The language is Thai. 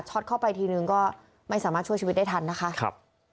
เข้าไปทีนึงก็ไม่สามารถช่วยชีวิตได้ทันนะคะครับ